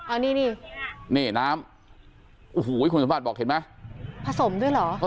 อันนี้นี่นี่น้ำโอ้โหคุณสมบัติบอกเห็นไหมผสมด้วยเหรอ